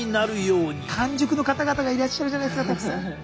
完熟の方々がいらっしゃるじゃないですかたくさん。